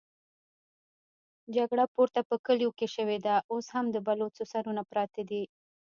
جګړه پورته په کليو کې شوې ده، اوس هم د بلوڅو سرونه پراته دي.